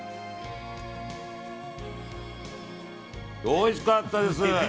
おいしかったです。